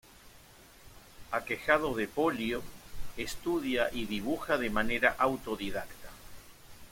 Aquejado de polio, estudia y dibuja de manera autodidacta.